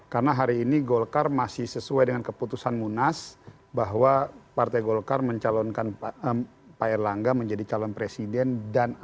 karena hari ini golkar masih sesuai dengan keputusan munas bahwa partai golkar mencalonkan pak erlangga menjadi calon presiden dan atau yang lain